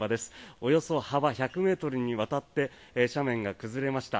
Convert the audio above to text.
およそ幅１００ｍにわたって斜面が崩れました。